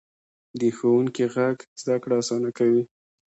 د ښوونکي غږ زده کړه اسانه کوي.